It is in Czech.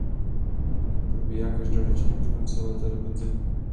Probíhá každoročně od konce léta do podzimu.